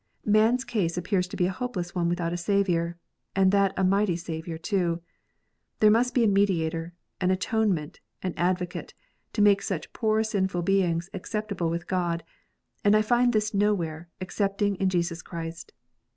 Man s case appears to be a hopeless one without a Saviour, and that a mighty Saviour too. There must be a Mediator, an Atone ment, an Advocate, to make such poor sinful beings accept able with God ; and I find this nowhere, excepting in Jesus Christ.